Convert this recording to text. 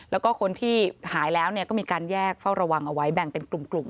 แล้วก็คนที่หายแล้วก็มีการแยกเฝ้าระวังเอาไว้แบ่งเป็นกลุ่ม